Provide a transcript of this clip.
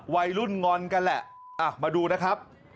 วัยรุ่นงอนกันแหละมาดูนะครับ